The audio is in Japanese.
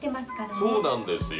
そうなんですよ。